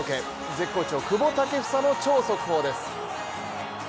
絶好調、久保建英の超速報です。